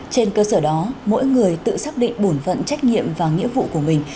trên cơ sở đó mỗi người tự xác định bổn vận trách nhiệm và nghĩa vụ của mình